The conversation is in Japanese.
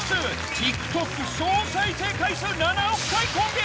ＴｉｋＴｏｋ総再生回数７億回超え。